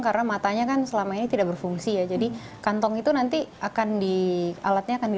karena matanya kan selama ini tidak berfungsi ya jadi kantong itu nanti akan di